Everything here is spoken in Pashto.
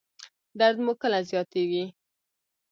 درد مو کله زیاتیږي؟